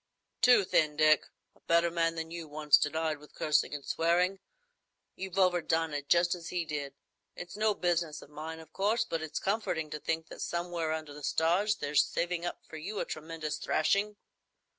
"Too thin, Dick. A better man than you once denied with cursing and swearing. You've overdone it, just as he did. It's no business of mine, of course, but it's comforting to think that somewhere under the stars there's saving up for you a tremendous thrashing.